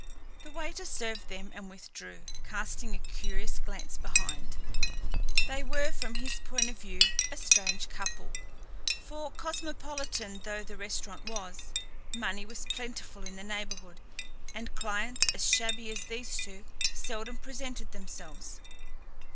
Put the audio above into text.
The waiter served them and withdrew, casting a curious glance behind. They were, from his point of view, a strange couple, for, cosmopolitan though the restaurant was, money was plentiful in the neighbourhood, and clients as shabby as these two seldom presented themselves.